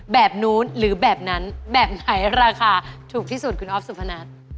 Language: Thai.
แบบนู้นหรือแบบนั้นแบบไหนราคาถูกที่สุดคุณอ๊อฟสุพนัท